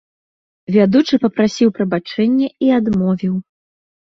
Вядучы папрасіў прабачэння і адмовіў.